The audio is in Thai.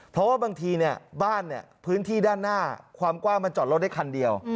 เพราะว่าบางทีบ้านพื้นที่ด้านหน้าความกว้างมันจอดรถได้คันเดียว